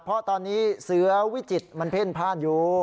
เพราะตอนนี้เสือวิจิตรมันเพ่นพ่านอยู่